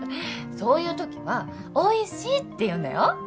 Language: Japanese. そういうときはおいしいって言うんだよ。